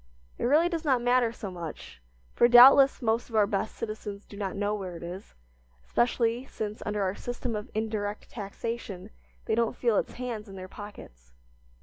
It really does not matter so much, for doubtless most of our best citizens do not know where it is, especially since, under our system of indirect taxation, they don't feel its hands in their pockets.